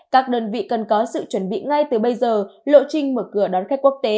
các đơn vị cần có sự chuẩn bị ngay từ bây giờ lộ trình mở cửa đón khách quốc tế